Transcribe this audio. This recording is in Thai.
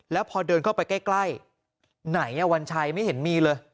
แล้วพอเดินเข้าไปใกล้ไหนวัญชัยไม่เห็นมีเลย